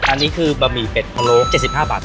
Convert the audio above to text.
อันนี้คือบะหมี่เป็ดพะโลก๗๕บาท